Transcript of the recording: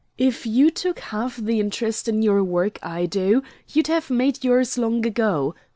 If you took half the interest in your work I do, you'd have made yours long ago.